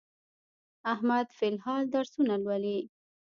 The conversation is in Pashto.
احمد فل الحال درسونه لولي.